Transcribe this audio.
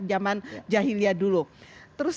zaman jahiliya dulu terus